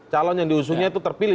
calon yang diusungnya itu terpilih